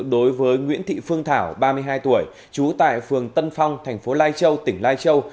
đối với nguyễn thị phương thảo ba mươi hai tuổi chú tại phường tân phong tp lai châu tỉnh lai châu